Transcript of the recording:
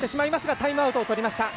タイムアウトをとりました。